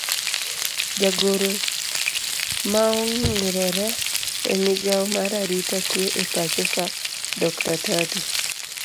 Jagoro maongirore e migao mar arita kwe e pachoka dr.Tatu